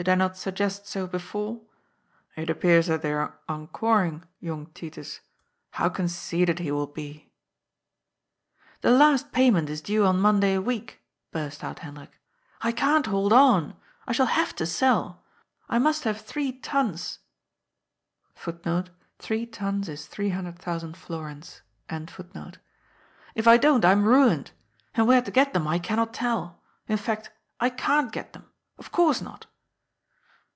" Did I not suggest so before ? It appears that they are encoring young Titus. How conceited he will be !"" The last payment is due on Monday week," burst out Hendrik. " I can't hold on. I shall have to sell. I must have three * tons '* by that Monday, Thomas. If I don't, I am ruined. And where to get them I cannot tell. In fact, I can't get them. Of course not."